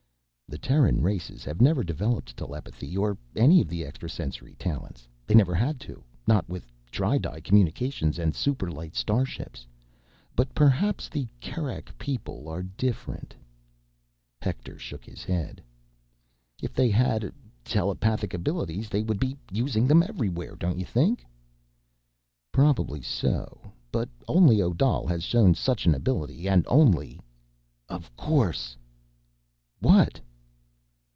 "The Terran races have never developed telepathy, or any of the extrasensory talents. They never had to, not with tri di communications and superlight starships. But perhaps the Kerak people are different—" Hector shook his head. "If they had uh, telepathic abilities, they would be using them everywhere. Don't you think?" "Probably so. But only Odal has shown such an ability, and only ... of course!" "What?"